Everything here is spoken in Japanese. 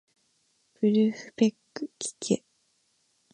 ブルフペックきけ